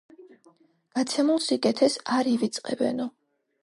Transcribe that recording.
გაცემულ სიკეთეს არ ივიწყებენო